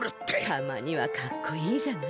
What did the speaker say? たまにはかっこいいじゃない。